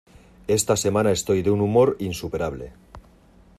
Esta semana estoy de un humor insuperable.